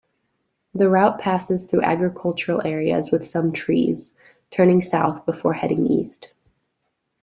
The route passes through agricultural areas with some trees, turning south before heading east.